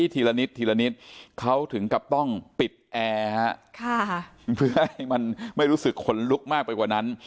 ทีละนิดทีละนิดเขาถึงกับต้องปิดแอร์เพื่อให้มันไม่รู้สึกขนลุกมากไปกว่านั้น